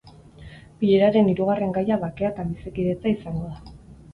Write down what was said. Bileraren hirugarren gaia bakea eta bizikidetza izango da.